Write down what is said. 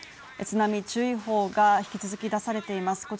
津波注意報が引き続き出されています